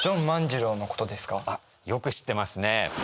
あっよく知ってますね。